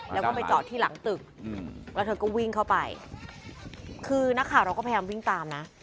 แล้วก็ไปจอดที่หลังตึกแล้วเธอก็วิ่งเข้าไปคือนักข่าวเราก็พยายามวิ่งตามนะ